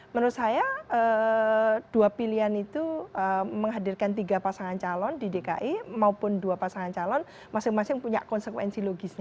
menurut saya dua pilihan itu menghadirkan tiga pasangan calon di dki maupun dua pasangan calon masing masing punya konsekuensi logisnya